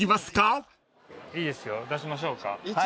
いいですよ出しましょうか？